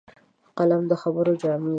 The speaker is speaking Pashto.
قلم د خبرو جامې دي